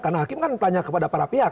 karena hakim kan tanya kepada para pihak